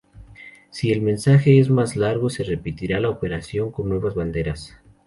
Si el mensaje es más largo, se repetirá la operación con nuevas banderas.